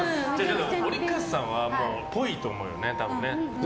折笠さんはっぽいと思うよね。